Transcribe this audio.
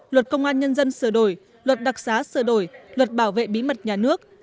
luật công an nhân dân sửa đổi luật đặc xá sửa đổi luật bảo vệ bí mật nhà nước